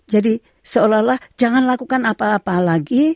jadi seolah olah jangan lakukan apa apa lagi